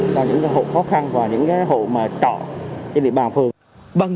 cho những hộ khó khăn và những hộ mà trọ trên địa bàn phường